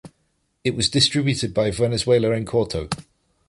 It was distributed by Venezuela en Corto.